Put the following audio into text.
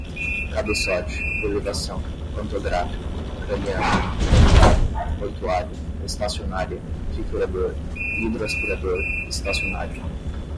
cabeçote, elevação, pantográfico, craniano, mortuária, mortuário, estacionária, triturador, hidroaspirador, estacionário